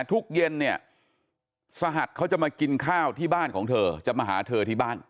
ทุกเย็นเนี่ยสหัสเขาจะมากินข้าวที่บ้านของเธอจะมาหาเธอที่บ้าน